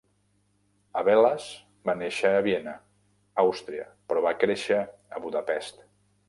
Abeles va néixer a Viena, Àustria, però va créixer a Budapest.